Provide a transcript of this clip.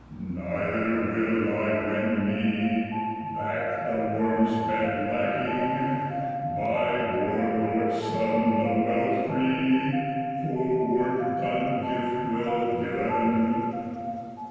Neither will I wend me Back, the worms' bed lacking, By war lord's son, the wealth free, For work done gift well given."